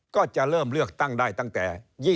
ก็จะเริ่มเลือกตั้งได้ตั้งแต่